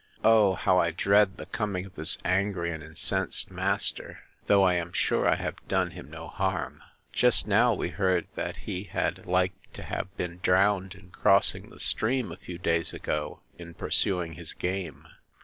O how I dread the coming of this angry and incensed master; though I am sure I have done him no harm! Just now we heard, that he had like to have been drowned in crossing the stream, a few days ago, in pursuing his game.